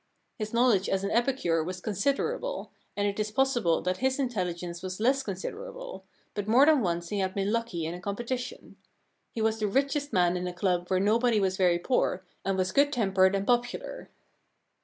His knowledge as an epicure was considerable, and it is possible that his intelHgence was less considerable, but more than once he had been lucky in a competition. He was the richest man in a club where nobody was very poor, and was good tempered and popular.